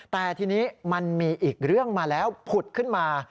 แต่ทีนี้มันมีอีกเรื่องมาแล้วผุดขึ้นมา